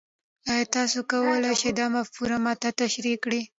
ایا تاسو کولی شئ دا مفکوره ما ته تشریح کړئ؟